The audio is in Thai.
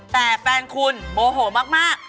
แต่แฟนคุณโมโหมาก